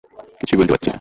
কিছুই বলতে পারছি না।